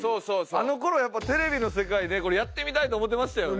あの頃やっぱテレビの世界でこれやってみたいって思ってましたよね。